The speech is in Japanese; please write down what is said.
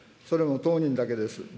それも当人だけです。